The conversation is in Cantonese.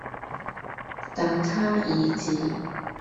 打他兒子，